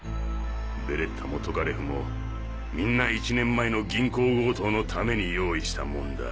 ベレッタもトカレフもみんな１年前の銀行強盗のために用意したもんだ。